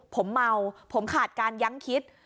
ผมเมาผมขาดการยั้งคิด